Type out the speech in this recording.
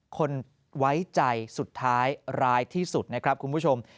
คนไว้ใจสุดท้ายร้ายที่สุดนะครับคุณผู้ชม